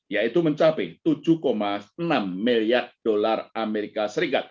yaitu mencapai tujuh enam miliar dolar as